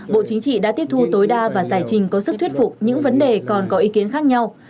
bộ chính trị đã tiếp thu tối đa và giải trình có sức thuyết phục những vấn đề còn có ý kiến khác nhau